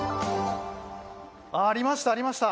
ありました、ありました。